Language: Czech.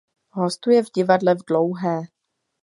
Hostuje v Divadle v Dlouhé.